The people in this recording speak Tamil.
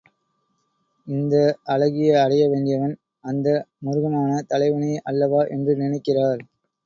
இந்த அழகியை அடைய வேண்டியவன் அந்த முருகனான தலைவனே அல்லவா என்று நினைக்கிறார்.